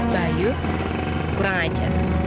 bayu kurang ajar